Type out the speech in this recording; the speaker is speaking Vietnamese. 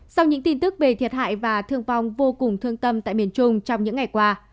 sau những tin tức về thiệt hại và thương vong vô cùng thương tâm tại miền trung trong những ngày qua